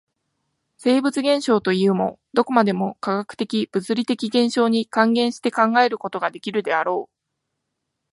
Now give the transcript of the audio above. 生物現象というも、どこまでも化学的物理的現象に還元して考えることができるであろう。